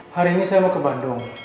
hari ini saya mau ke bandung